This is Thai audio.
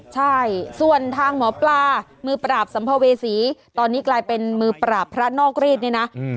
ใช่ส่วนทางหมอปลามือปราบสัมภเวษีตอนนี้กลายเป็นมือปราบพระนอกรีดเนี่ยนะ